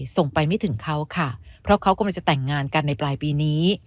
ส่งไปไม่ถึงเขาค่ะเพราะเขากำลังจะแต่งงานกันในปลายปีนี้